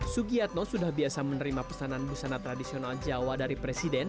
sugiyatno sudah biasa menerima pesanan busana tradisional jawa dari presiden